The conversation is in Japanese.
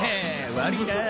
悪いなぁ。